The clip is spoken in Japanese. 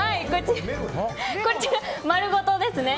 こちら、まるごとですね。